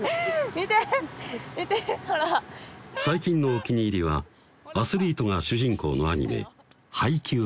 見てほら最近のお気に入りはアスリートが主人公のアニメ「ハイキュー！！」